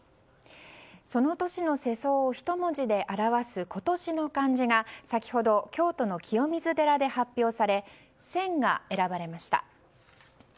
その年の世相を一文字で表す今年の漢字が先ほど、京都の清水寺で発表され「戦」が選ばれました。